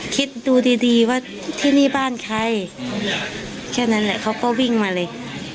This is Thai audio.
คิดดูดีดีว่าที่นี่บ้านใครแค่นั้นแหละเขาก็วิ่งมาเลย